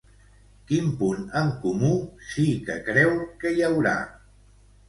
Quin punt en comú sí que creu que hi haurà?